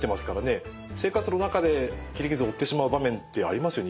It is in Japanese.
生活の中で切り傷を負ってしまう場面ってありますよね。